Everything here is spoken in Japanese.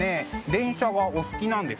電車がお好きなんですか？